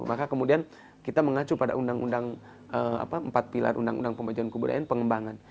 maka kemudian kita mengacu pada undang undang empat pilar undang undang pemajuan kebudayaan pengembangan